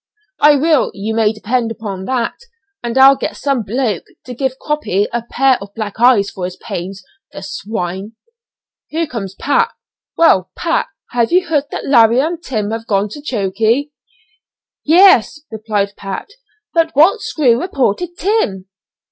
"I will, you may depend upon that, and I'll get some 'bloke' to give Croppy a pair of black eyes for his pains, the swine." "Here comes Pat. Well, Pat, have you heard that Larry and Tim have gone to chokey?" "Yes," replied Pat; "but what screw reported Tim?"